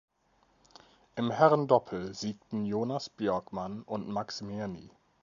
Im Herrendoppel siegten Jonas Björkman und Max Mirny.